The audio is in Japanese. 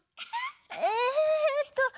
えっと。